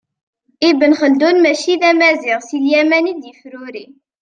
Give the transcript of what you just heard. Ibn Xeldun mačči d amaziɣ, si Lyaman i d-yefruri.